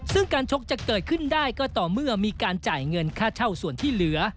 ซึ่งการชกจะเกิดขึ้นได้ก็ต่อเมื่อมีการจ่ายเงินค่าเช่าส่วนที่เหลือ